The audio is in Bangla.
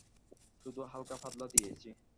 শুধু হালকাপাতলা দিয়েছি।